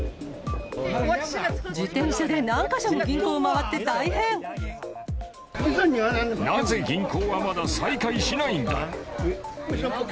自転車で何か所も銀行を回っなぜ銀行はまだ再開しないんだ。